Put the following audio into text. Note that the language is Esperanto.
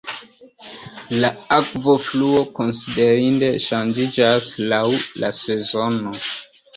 La akvofluo konsiderinde ŝanĝiĝas laŭ la sezono.